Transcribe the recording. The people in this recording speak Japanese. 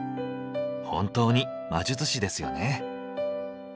本当に魔術師ですよね。